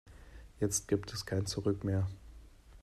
Jetzt gibt es kein Zurück mehr.